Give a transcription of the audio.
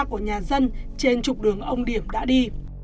của nhà dân trên trục đường ông điểm đã đi